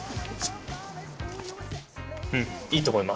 うん、いいと思います。